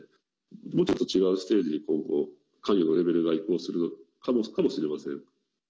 もうちょっと違うステージに今後、関与のレベルが移行するのかもしれません。